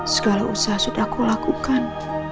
segala usaha yang sudah aku lakukan